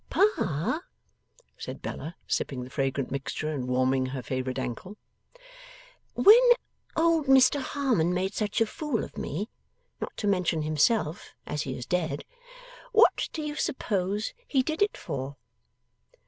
'Pa,' said Bella, sipping the fragrant mixture and warming her favourite ankle; 'when old Mr Harmon made such a fool of me (not to mention himself, as he is dead), what do you suppose he did it for?